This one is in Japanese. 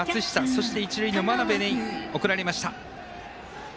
そして、一塁の真鍋に送られました。